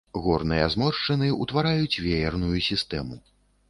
Горныя зморшчыны ўтвараюць веерную сістэму.